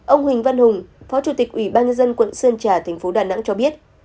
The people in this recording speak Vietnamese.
ông huỳnh văn hùng phó chủ tịch ủy ban nhân dân quận sơn trà thành phố đà nẵng cho biết